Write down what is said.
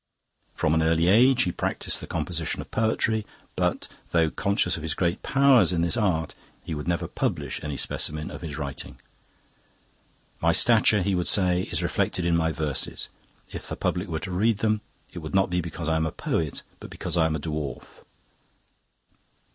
From an early age he practised the composition of poetry, but, though conscious of his great powers in this art, he would never publish any specimen of his writing. 'My stature,' he would say, 'is reflected in my verses; if the public were to read them it would not be because I am a poet, but because I am a dwarf.